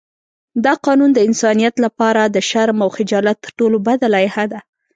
دا قانون د انسانیت لپاره د شرم او خجالت تر ټولو بده لایحه ده.